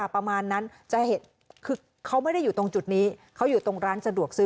ประมาณนั้นจะเห็นคือเขาไม่ได้อยู่ตรงจุดนี้เขาอยู่ตรงร้านสะดวกซื้อ